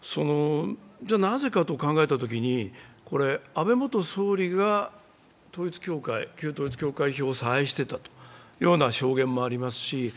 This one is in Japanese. なぜかと考えたときに安倍元総理が旧統一教会票を采配してたという証言もありますし